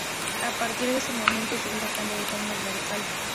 A partir de ese momento, su vida cambia de forma radical.